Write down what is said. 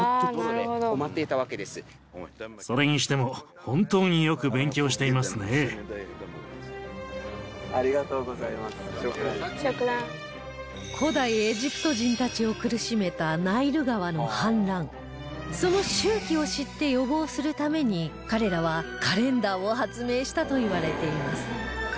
それにしても古代エジプト人たちを苦しめたその周期を知って予防するために彼らはカレンダーを発明したといわれています